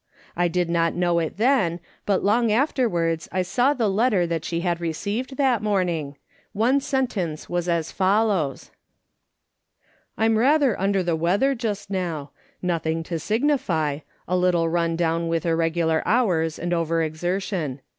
I did not know it then, but long afterwards I saw the letter that she had received that morning; one sentence was as follows :" I'm rather under the weather just now ; nothing to signify, a little run down with irregular hours and over exertion.